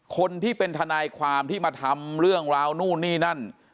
คนที่เป็นทนายความที่มาทำเรื่องราวนู่นนี่นั่น